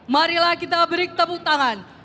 marilah kita beri tepuk tangan